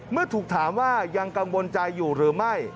เมื่อถูกถามว่ายังกังวลใจอยู่หรือไม่